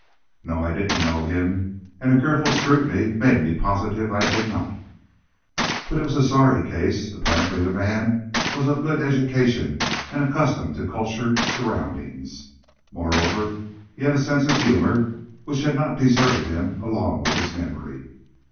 No; I didn't know him, and a careful scrutiny made me positive I did not. But it was a sorry case. Apparently the man was of good education and accustomed to cultured surroundings. Moreover, he had a sense of humor which had not deserted him, along with his memory.